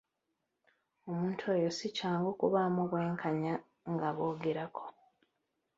Omuntu oyo si kyangu kubaamu bwenkanya ng'aboogerako.